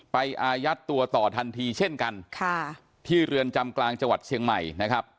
อายัดตัวต่อทันทีเช่นกันค่ะที่เรือนจำกลางจังหวัดเชียงใหม่นะครับ